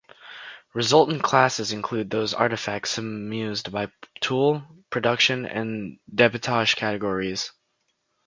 Resultant classes include those artifacts subsumed by tool, production, and debitage categories.